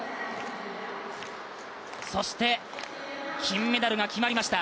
そして、金メダルが決まりました。